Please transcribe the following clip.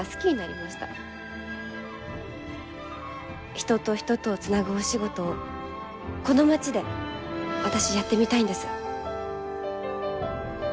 人と人とをつなぐお仕事をこの町で私やってみたいんです。